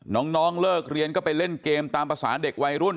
น้องเลิกเรียนก็ไปเล่นเกมตามภาษาเด็กวัยรุ่น